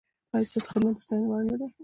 ایا ستاسو خدمت د ستاینې وړ نه دی؟